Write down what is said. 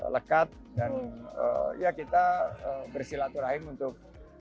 lekat dan ya kita bersilaturahim untuk